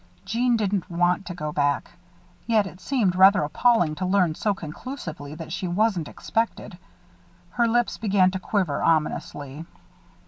Jeanne didn't want to go back; yet it seemed rather appalling to learn so conclusively that she wasn't expected. Her lips began to quiver, ominously.